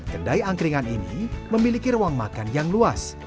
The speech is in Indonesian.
kedai angkringan ini memiliki ruang makan yang luas